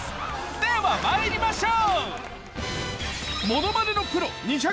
ではまいりましょう！